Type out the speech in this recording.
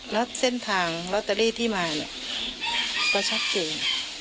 แล้วเส้นทางลอตเตอรี่ที่มาเนี่ยก็ชัดเจน